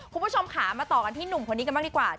คุณผู้ชมค่ะมาต่อกันที่หนุ่มคนนี้กันบ้างดีกว่า